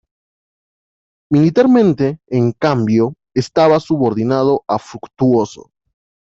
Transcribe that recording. Militarmente, en cambio, estaba subordinado a Fructuoso.